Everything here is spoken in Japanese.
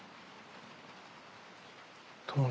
友達。